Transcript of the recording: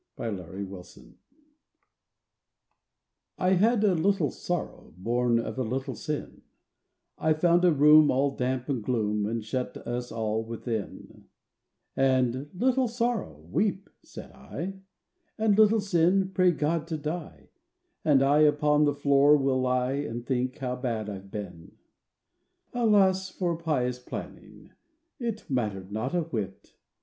63 The Penitent I had a little Sorrow, Born of a little Sin, I found a room all damp with gloom And shut us all within; And, "Little Sorrow, weep," said I, "And, Little Sin, pray God to die, And I upon the floor will lie And think how bad I've been!" Alas for pious planning— It mattered not a whit!